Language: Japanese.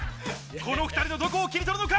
この２人のどこを切り取るのか？